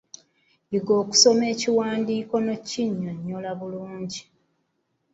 Yiga kusoma ekiwandiiko n'okinnyonnyola bulungi.